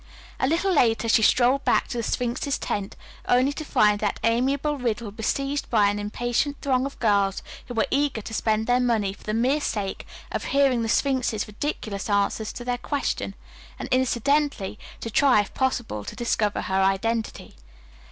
A little later she strolled back to the Sphinx's tent, only to find that amiable riddle besieged by an impatient throng of girls who were eager to spend their money for the mere sake of hearing the Sphinx's ridiculous answers to their questions, and incidentally to try if possible to discover her identity.